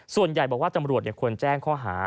ส่วนใหญ่บอกว่าตำรวจควรแจ้งข้อหา